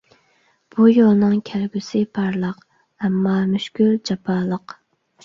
بۇ يولنىڭ كەلگۈسى پارلاق، ئەمما مۈشكۈل، جاپالىق.